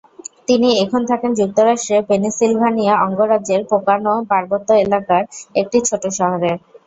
তিনি এখন থাকেন যুক্তরাষ্ট্রের পেনসিলভানিয়া অঙ্গরাজ্যের পোকোনো পার্বত্য এলাকার একটি ছোট শহরে।